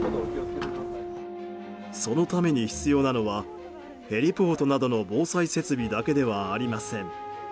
そのために必要なのはヘリポートなどの防災設備だけではありません。